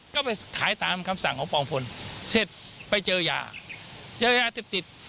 ก็ไปขายตามคำสั่งของปองพลเสร็จไปเจอยาเจอยาเสพติด